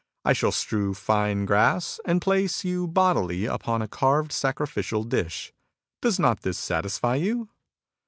I shall strew fine grass, and place you bodily upon a carved sacrificial dish. Does not this satisfy you